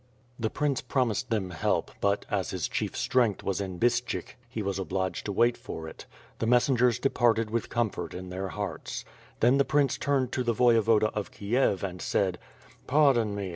The prince promised them help but, as his chief strength was in Bystshyk, he was obliged to wait for it. The messen gers departed with comfort in their hearts. Then the prince turned to the Voyevoda of Kiev and said: "Pardon me!